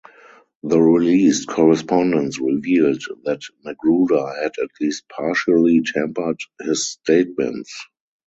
The released correspondence revealed that Magruder had at least partially tempered his statements.